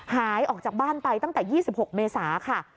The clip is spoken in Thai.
หายออกจากบ้านไปตั้งแต่๒๖เมษาค่ะ